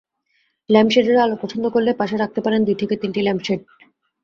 ল্যাম্পশেডের আলো পছন্দ করলে পাশে রাখতে পারেন দুই থেকে তিনটি ল্যাম্পশেড।